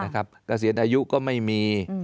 เกษียณอายุก็ไม่มี